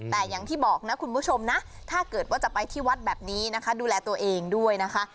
แต่อย่างที่บอกนะคุณผู้ชมนะถ้าเกิดว่าจะไปที่วัดแบบนี้นะคะดูแลตัวเองด้วยนะคะ